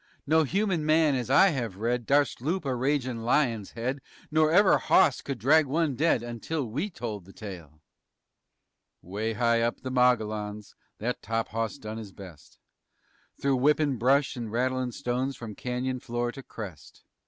_ No human man as I have read Darst loop a ragin' lion's head, Nor ever hawse could drag one dead Until we told the tale." 'Way high up the Mogollons That top hawse done his best, Through whippin' brush and rattlin' stones, From canyon floor to crest.